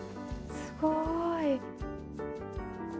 すごい。